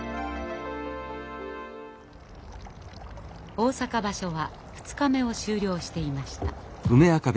大阪場所は２日目を終了していました。